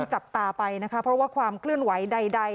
จับตาไปนะคะเพราะว่าความเคลื่อนไหวใด